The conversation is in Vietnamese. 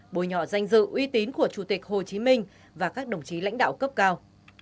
bồi nhọ danh dự uy tín của chủ tịch hồ chí minh và các đồng chí lãnh đạo cấp cao